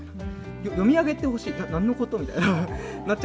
読み上げてほしい何のこと？みたいな。